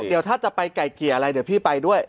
เดี๋ยวถ้าจะไปไก่เกลี่ยอะไรเดี๋ยวพี่ไปด้วย